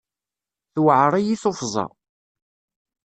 Tewɛeṛ-iyi tuffẓa.